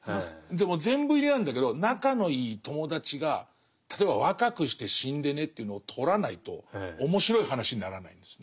でも全部入りなんだけど仲のいい友達が例えば若くして死んでねっていうのをとらないと面白い話にならないんです。